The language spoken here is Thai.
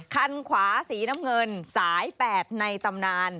คันขวาสีน้ำเงินสาย๘ในตำนาน